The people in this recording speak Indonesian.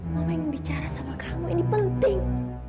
mama yang bicara sama kamu ini penting